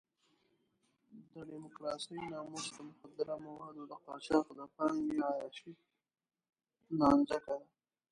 د ډیموکراسۍ ناموس د مخدره موادو د قاچاق د پانګې عیاشۍ نانځکه ده.